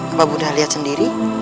apa bunda lihat sendiri